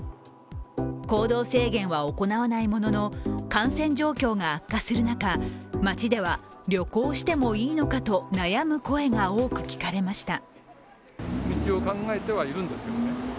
行動制限は行わないものの感染状況が悪化する中街では、旅行してもいいのかと悩む声が多く聞かれました。